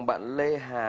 bạn lê hà